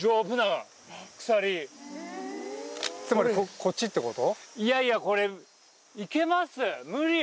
つまりこっちってこと？